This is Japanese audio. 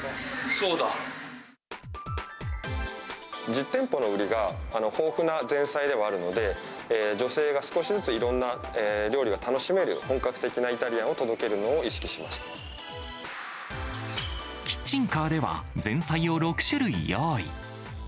実店舗の売りが、豊富な前菜ではあるので、女性が少しずつ、いろんな料理を楽しめる、本格的なイタリアンを届けるのを意識しキッチンカーでは、前菜を６種類用意。